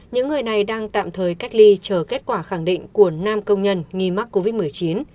những người này đang tạm thời cách ly chờ kết quả khẳng định của nam công nhân nghi mắc covid một mươi chín